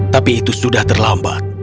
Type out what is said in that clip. tapi itu sudah terlambat